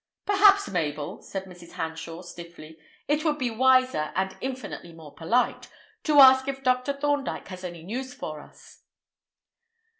"Perhaps, Mabel," said Mrs. Hanshaw stiffly, "it would be wiser, and infinitely more polite, to ask if Dr. Thorndyke has any news for us."